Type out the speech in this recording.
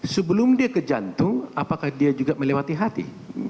sebelum dia ke jantung apakah dia juga melewati hati